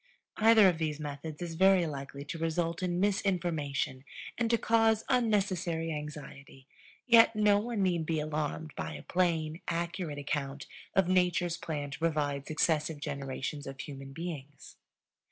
Either of these methods is very likely to result in misinformation and to cause unnecessary anxiety. Yet no one need be alarmed by a plain, accurate account of Nature's plan to provide successive generations of human beings.